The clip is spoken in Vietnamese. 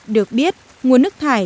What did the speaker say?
được biết nguồn nước thải